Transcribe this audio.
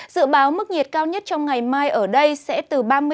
dự báo mức nhiệt cao nhất trong ngày mai ở đây sẽ từ ba mươi ba